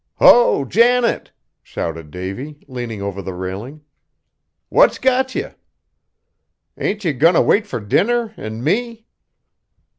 "Ho! Janet!" shouted Davy, leaning over the railing. "What's got ye? Ain't ye goin' t' wait fur dinner an' me?"